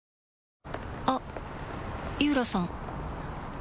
あっ井浦さん